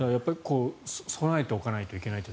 備えておかないといけないと。